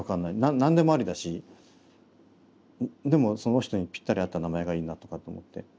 何でもありだしでもその人にぴったり合った名前がいいなとかと思って。